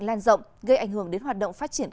lan rộng gây ảnh hưởng đến hoạt động phát triển